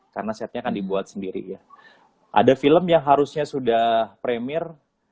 karena setnya kan dibuat sendiri ya ada film yang harusnya sudah premier